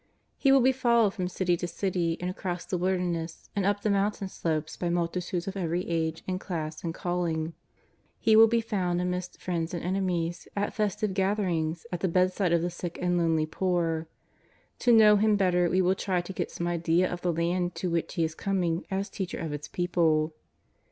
He will be followed from city to city, and across the wilderness and up the mountain slopes by multitudes of every age and class and calling. He will be found amidst friends and enemies, at festive gather ings, at the bedside of the sick and lonely poor. To know Him better we will try to get some idea of the land to which He is coming as Teacher of its people.